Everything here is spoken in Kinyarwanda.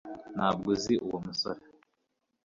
ntabwo uzi uwo musore